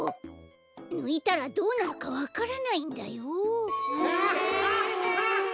ぬいたらどうなるかわからないんだよ！？